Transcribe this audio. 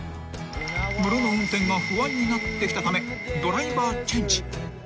［ムロの運転が不安になってきたためドライバーチェンジ］